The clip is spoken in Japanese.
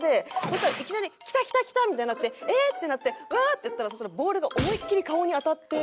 そしたらいきなりきたきたきたみたいになってえっ！ってなってうわっ！ってやったらそしたらボールが思いっきり顔に当たって。